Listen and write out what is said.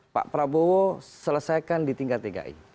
pak prabowo selesaikan di tingkat tiga ini